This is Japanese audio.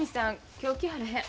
今日来はらへん。